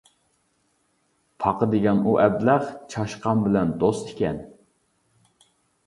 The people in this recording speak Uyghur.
پاقا دېگەن ئۇ ئەبلەخ، چاشقان بىلەن دوست ئىكەن.